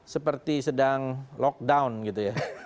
seperti sedang lockdown gitu ya